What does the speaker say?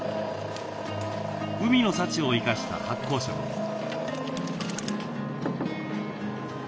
海の幸を生かした発酵食です。